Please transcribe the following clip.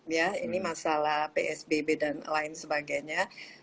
ya ini masalah psbb dan lain sebagainya